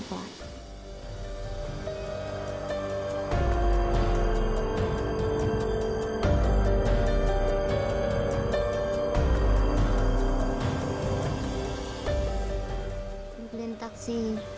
lúc lên taxi